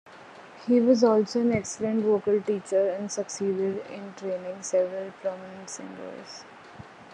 He was also an excellent vocal teacher and succeeded in training several prominent singers.